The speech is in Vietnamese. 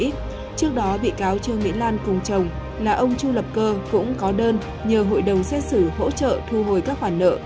trước đó bị cáo trương mỹ lan cùng chồng là ông chu lập cơ cũng có đơn nhờ hội đồng xét xử hỗ trợ thu hồi các khoản nợ